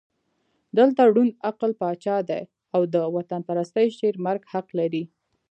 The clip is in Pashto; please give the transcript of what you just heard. دلته ړوند عقل پاچا دی او د وطنپرستۍ شعر مرګ حق لري.